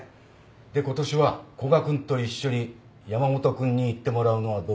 でことしは古賀君と一緒に山本君に行ってもらうのはどうかと思って。